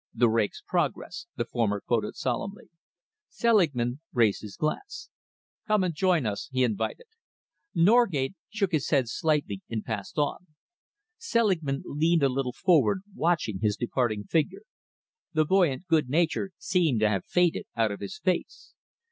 "The rake's progress," the former quoted solemnly. Selingman raised his glass. "Come and join us," he invited. Norgate shook his head slightly and passed on. Selingman leaned a little forward, watching his departing figure. The buoyant good nature seemed to have faded out of his face.